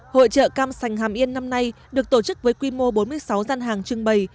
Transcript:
hội trợ cam sành hàm yên năm nay được tổ chức với quy mô bốn mươi sáu gian hàng trưng bày